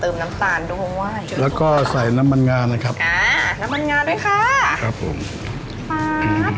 น้ำตาลด้วยแล้วก็ใส่น้ำมันงานะครับอ่าน้ำมันงาด้วยค่ะครับผมครับ